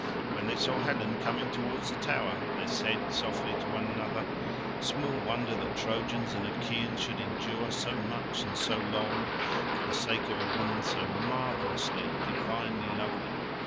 When they saw Helen coming towards the tower, they said softly to one another, "Small wonder that Trojans and Achaeans should endure so much and so long, for the sake of a woman so marvellously and divinely lovely.